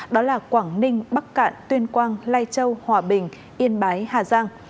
đó là quảng ninh bắc cạn tuyên quang lai châu hòa bình yên bái hà giang